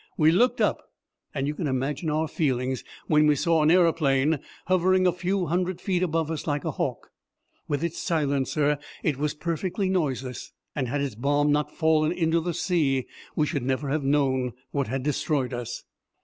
We looked up, and you can imagine our feelings when we saw an aeroplane hovering a few hundred feet above us like a hawk. With its silencer, it was perfectly noiseless, and had its bomb not fallen into the sea we should never have known what had destroyed us.